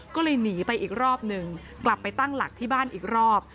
ก็เลยหนีไปอีกรอบหนึ่งกลับไปตั้งหลักที่บ้านอีกรอบ